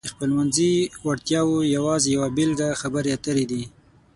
د خپلمنځي وړتیاو یوازې یوه بېلګه خبرې اترې دي.